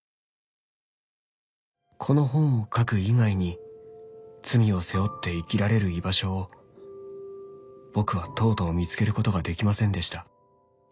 「この本を書く以外に罪を背負って生きられる居場所を僕はとうとう見つけることができませんでした」